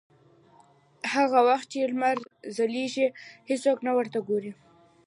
هغه وخت چې لمر ځلېږي هېڅوک نه ورته ګوري.